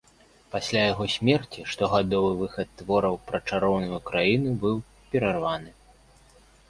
Пасля яго смерці штогадовы выхад твораў пра чароўную краіну быў перарваны.